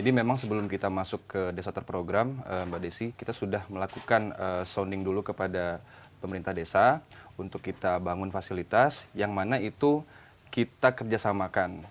jadi memang sebelum kita masuk ke desa terprogram mbak desi kita sudah melakukan sounding dulu kepada pemerintah desa untuk kita bangun fasilitas yang mana itu kita kerjasamakan